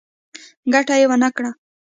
ګټه یې ونه کړه.